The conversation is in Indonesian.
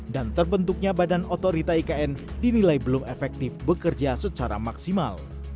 dan terbentuknya badan otorita ikn dinilai belum efektif bekerja secara maksimal